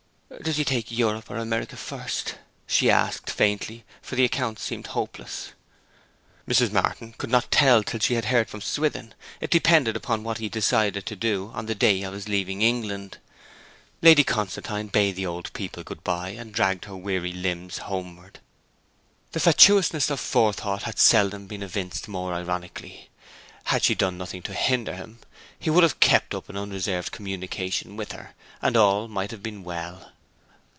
'Does he take Europe or America first?' she asked faintly, for the account seemed hopeless. Mrs. Martin could not tell till she had heard from Swithin. It depended upon what he had decided to do on the day of his leaving England. Lady Constantine bade the old people good bye, and dragged her weary limbs homeward. The fatuousness of forethought had seldom been evinced more ironically. Had she done nothing to hinder him, he would have kept up an unreserved communication with her, and all might have been well.